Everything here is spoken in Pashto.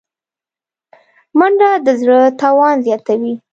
منډه د زړه توان زیاتوي